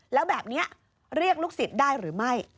แล้วแบบนี้เรียกลูกศิษย์ได้หรือไม่